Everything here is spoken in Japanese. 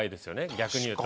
逆に言うと。